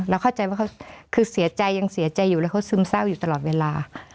เข้าใจว่าเขาคือเสียใจยังเสียใจอยู่แล้วเขาซึมเศร้าอยู่ตลอดเวลา